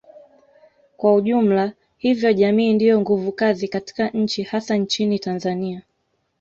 kwa ujumla hivyo jamii ndiyo nguvu kazi katika nchi hasa nchini Tanzania